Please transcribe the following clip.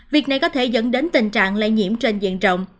việc này có thể dẫn đến tình trạng lây nhiễm trên diện rộng